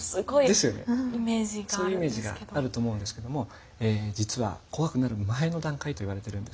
ですよねそういうイメージがあると思うんですけども実は怖くなる前の段階といわれているんですね。